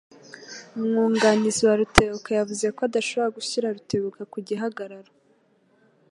Umwunganizi wa Rutebuka yavuze ko adashobora gushyira Rutebuka ku gihagararo.